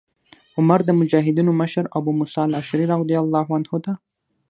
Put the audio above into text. عمر د مجاهدینو مشر ابو موسی الأشعري رضي الله عنه ته